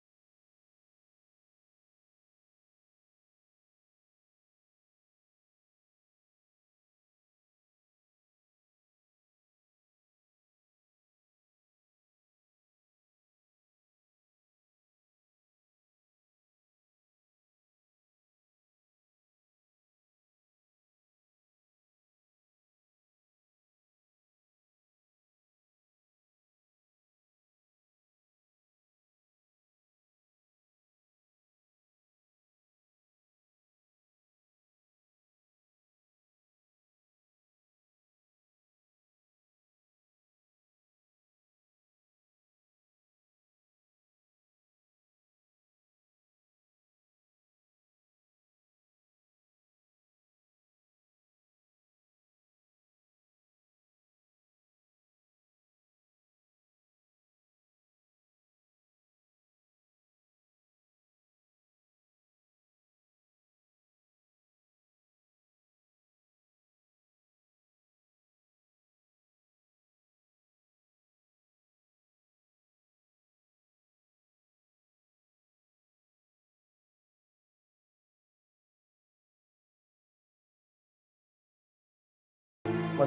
ma ma mau istirahat